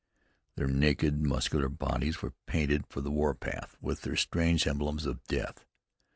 Their naked, muscular bodies were painted for the war path with their strange emblems of death.